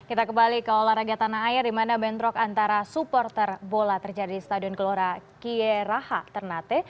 kita kembali ke olahraga tanah air di mana bentrok antara supporter bola terjadi di stadion gelora kieraha ternate